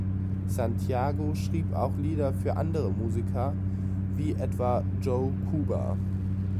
Santiago schrieb auch Lieder für andere Musiker, wie etwa Joe Cuba.